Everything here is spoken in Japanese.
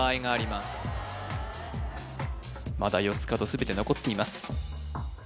まだ四つ角すべて残っています